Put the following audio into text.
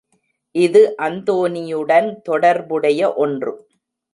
இது அந்தோனியுடன் தொடர்புடைய ஒன்று.